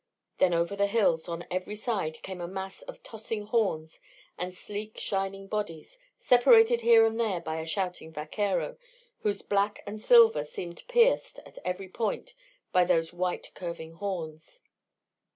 Then over the hills on every side came a mass of tossing horns and sleek shining bodies, separated here and there by a shouting vaquero, whose black and silver seemed pierced at every point by those white curving horns.